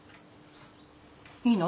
いいの？